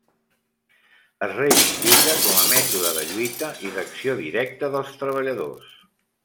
Es reivindica com a mètode de lluita i d'acció directa dels treballadors.